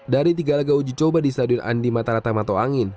dari tiga laga uji coba di stadion andi mataratamato angin